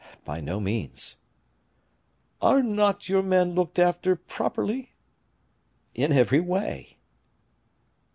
"By no means." "Are not your men looked after properly?" "In every way."